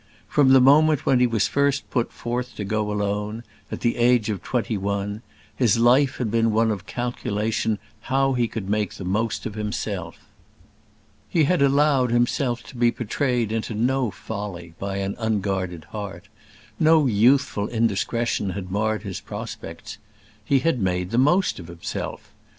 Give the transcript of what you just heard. From the moment when he was first put forth to go alone at the age of twenty one his life had been one calculation how he could make the most of himself. He had allowed himself to be betrayed into no folly by an unguarded heart; no youthful indiscretion had marred his prospects. He had made the most of himself.